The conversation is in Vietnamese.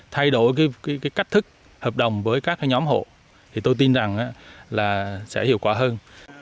thay đổi cách thức hợp đồng với các nhóm hộ thì tôi tin rằng là sẽ hiệu quả hơn